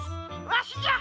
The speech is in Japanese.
わしじゃ！